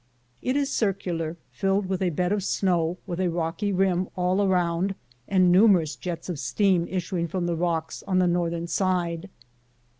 It is circular, filled with a bed of snow, with a rocky rim all around and numerous jets of steam issuing from the rocks on the northern side.